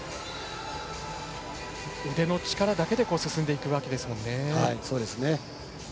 腕の力だけで進んでいくわけですもんね。